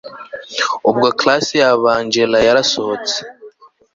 ubwo class ya ba angella yarasohotse